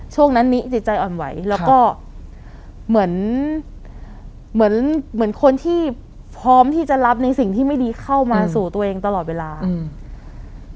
ช่วงนั้นนี้จิตใจอ่อนไหวแล้วก็เหมือนเหมือนเหมือนเหมือนคนที่พร้อมที่จะรับในสิ่งที่ไม่ดีเข้ามาสู่ตัวเองตลอดเวลาอืม